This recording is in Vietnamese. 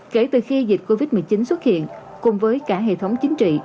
kể từ khi dịch covid một mươi chín xuất hiện cùng với cả hệ thống chính trị